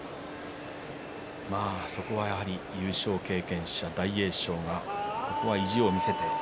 そこは、やはり優勝経験者大栄翔が意地を見せて。